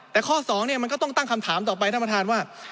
แต่ข้อ๒มันก็ต้องตั้งคำถามต่อไปท่านประธานว่า